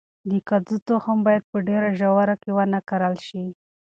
د کدو تخم باید په ډیره ژوره کې ونه کرل شي.